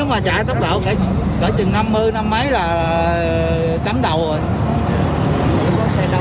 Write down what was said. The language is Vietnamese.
nếu mà chạy tốc độ kể chừng năm mươi năm mươi mấy là tắm đầu rồi